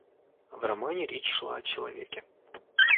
В романе речь шла о человеке